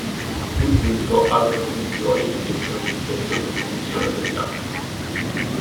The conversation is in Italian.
Sul punto, altre posizioni evidenziano il difetto di attribuzione degli atti.